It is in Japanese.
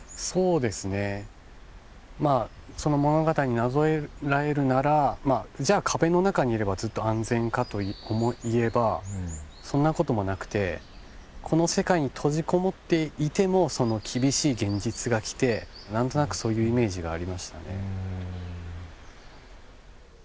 そうですねまあその物語になぞらえるならじゃあ壁の中にいればずっと安全かといえばそんな事もなくてこの世界に閉じこもっていても厳しい現実が来て何となくそういうイメージがありましたね。